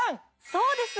そうです！